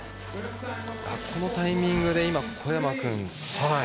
このタイミングで、小山君。